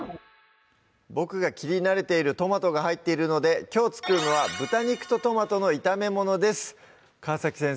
僕が切り慣れているトマトが入っているのできょう作るのは「豚肉とトマトの炒めもの」です川先生